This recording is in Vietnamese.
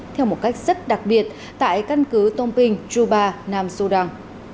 theo một cách rất đặc biệt tại căn cứ tông bình chuba nam sudan